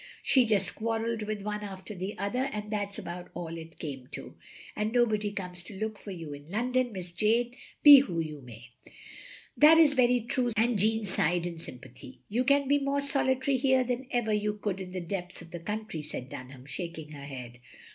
She just quarrelled with one after the other and that *s about all it came to. And nobody comes to look for you in London, Miss Jane, be who you may. *' "That is very true, and Jeanne sighed in sjrmpathy. "You can be more solitary here than ever you cotild in the depths of the country, said Dunham, shaking her head.